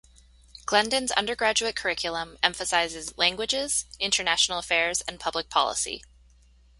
Glendon's undergraduate curriculum emphasizes languages, international affairs and public policy.